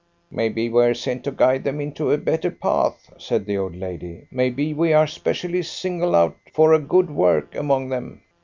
"Maybe we are sent to guide them into a better path," said the old lady. "Maybe we are specially singled out for a good work among them."